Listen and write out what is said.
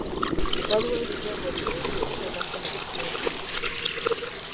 Waliwo ebitongole bingi ebitannafuna nsimbi.